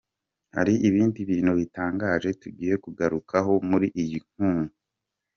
Hari ibindi bintu bitangaje tugiye kugarukaho muri iyi nkuru.